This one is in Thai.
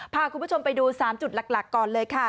พาคุณผู้ชมไปดู๓จุดหลักก่อนเลยค่ะ